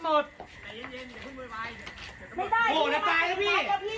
โหจะตายแล้วพี่